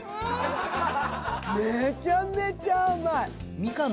めちゃめちゃ甘い。